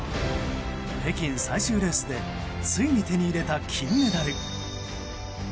北京最終レースでついに手に入れた金メダル。